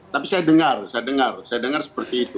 tapi saya dengar saya dengar saya dengar seperti itu